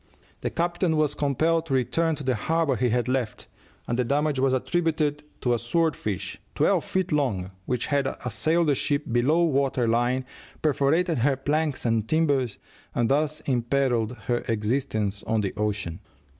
The captain was compelled to return to the harbor he had left, and the damage was attributed to a sword fish, twelve feet long, which had assailed the ship below water line, perforated her planks and timbers, and thus imperilled her existence on the ocean.